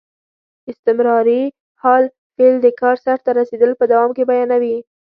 استمراري حال فعل د کار سرته رسېدل په دوام کې بیانیوي.